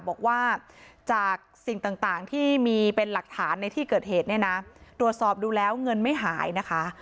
บอกว่าจากสิ่งต่างที่มีเป็นหลักฐานในที่เกิดเหตุเนี่ยนะตรวจสอบดูแล้วเงินไม่หายนะคะ